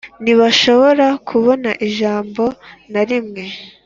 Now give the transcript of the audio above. ntibashobora kubona ijambo na rimwe